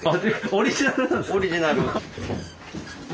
オリジナル。